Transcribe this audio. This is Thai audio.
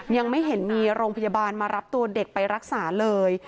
ยังไม่เห็นมีโรงพยาบาลมารับตัวเด็กไปรักษาเลย